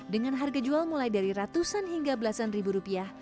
dengan harga jual mulai dari ratusan hingga belasan ribu rupiah